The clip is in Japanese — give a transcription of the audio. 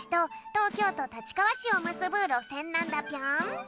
とうきょうとたちかわしをむすぶろせんなんだぴょん！